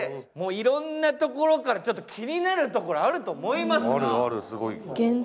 いろんなところから、気になるところあると思いますが。